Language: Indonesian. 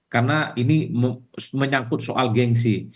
karena ini menyangkut soal gengsi